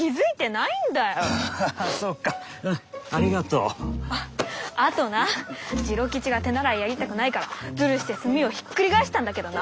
あっあとな次郎吉が手習いやりたくないからズルして墨をひっくり返したんだけどな